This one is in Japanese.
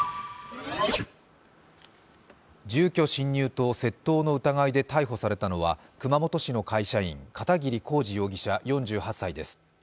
住居侵入と窃盗の疑いで逮捕されたのは熊本市の会社員、片桐幸治容疑者４８歳です。